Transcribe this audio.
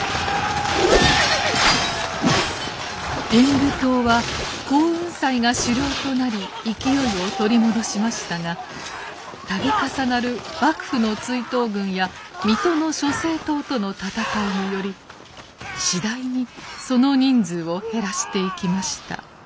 天狗党は耕雲斎が首領となり勢いを取り戻しましたが度重なる幕府の追討軍や水戸の諸生党との戦いにより次第にその人数を減らしていきました。